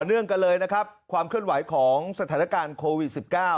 เนื่องกันเลยนะครับความเคลื่อนไหวของสถานการณ์โควิด๑๙